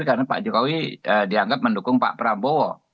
karena pak jokowi dianggap mendukung pak prabowo